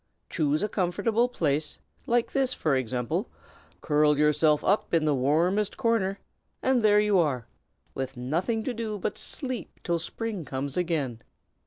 Choose a comfortable place, like this, for example, curl yourself up in the warmest corner, and there you are, with nothing to do but to sleep till spring comes again."